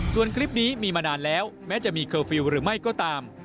ส่วนคลิปนี้มีมานานแล้วแม้จะมีเคอร์ฟิลล์หรือไม่ก็ตาม